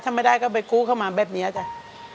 ถ้าไม่ได้ก็ไปกู้เข้ามาแบบนี้จ้ะ